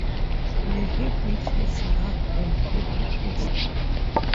Lehi beach has rugged and rocky coast.